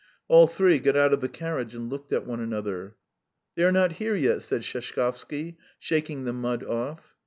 All three got out of the carriage and looked at one another. "They are not here yet," said Sheshkovsky, shaking the mud off.